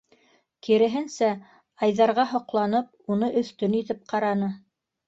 Киреһенсә, Айҙарға һоҡланып, уны өҫтөн итеп ҡараны.